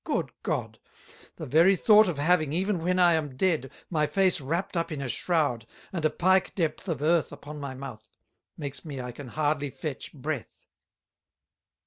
Good God! The very thought of having, even when I am Dead, my Face wrapt up in a Shroud, and a Pike depth of Earth upon my Mouth, makes me I can hardly fetch breath.